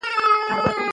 نوي فارمونه به جوړ شي.